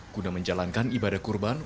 guna menjalankan ibadah kurban